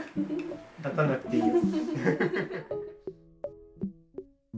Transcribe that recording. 立たなくていいよ。